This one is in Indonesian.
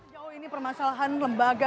jauh ini permasalahan lembaga